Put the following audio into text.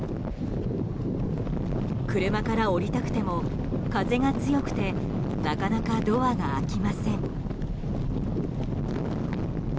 車から降りたくても風が強くてなかなかドアが開きません。